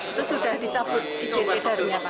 itu sudah dicabut izin edarnya pak